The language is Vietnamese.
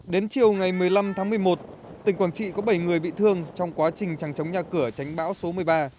đến chiều ngày một mươi năm tháng một mươi một tỉnh quảng trị có bảy người bị thương trong quá trình trắng trống nhà cửa tránh bão số một mươi ba